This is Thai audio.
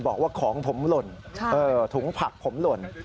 บอกว่าของผมหล่นถุงผักผมหล่น